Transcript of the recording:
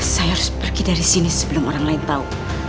saya harus pergi dari sini sebelum orang lain tahu